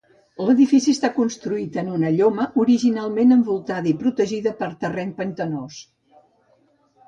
L'edifici està construït en una lloma originalment envoltada i protegida per terreny pantanós.